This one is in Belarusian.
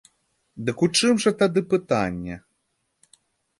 Дык у чым жа тады пытанне?